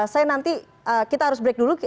saya nanti kita harus break dulu